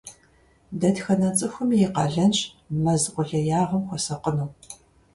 Дэтхэнэ цӀыхуми и къалэнщ мэз къулеягъым хуэсакъыну.